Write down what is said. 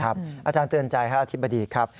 อาจารย์เตือนใจครับอธิบดีครับ